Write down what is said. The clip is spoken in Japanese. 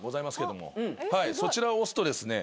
そちらを押すとですね